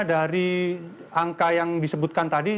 dari angka yang disebutkan tadi